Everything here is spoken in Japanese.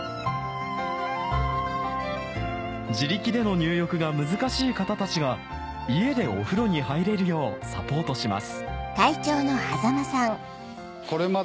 自力での入浴が難しい方たちが家でお風呂に入れるようサポートします